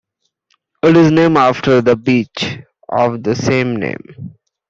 It is named after the beach of the same name.